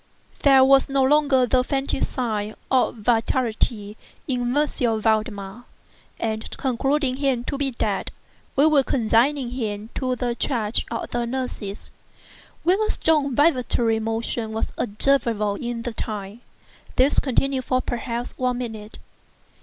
There was no longer the faintest sign of vitality in M. Valdemar; and concluding him to be dead, we were consigning him to the charge of the nurses, when a strong vibratory motion was observable in the tongue. This continued for perhaps a minute.